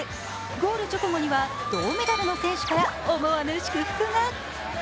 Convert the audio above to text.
ゴール直後には銅メダルの選手から思わぬ祝福が。